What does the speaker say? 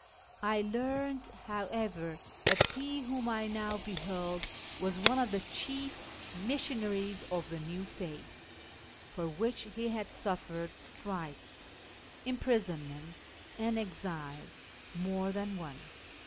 I learned, however, that he whom I now beheld was one of the chief missionaries of the new faith, for which he had suffered stripes, imprisonment, and exile more than once.